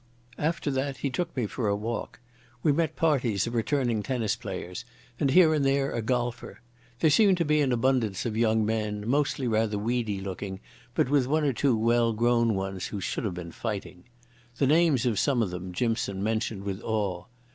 After that he took me for a walk. We met parties of returning tennis players and here and there a golfer. There seemed to be an abundance of young men, mostly rather weedy looking, but with one or two well grown ones who should have been fighting. The names of some of them Jimson mentioned with awe.